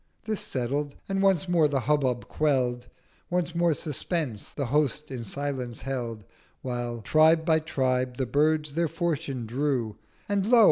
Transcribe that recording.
This settled, and once more the Hubbub quell'd, Once more Suspense the Host in Silence held, While, Tribe by Tribe, the Birds their fortune drew; And Lo!